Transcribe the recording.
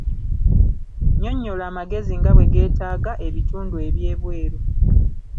Nnyonnyola amagezi nga bwe geetaaga ebitundu eby'ebweru.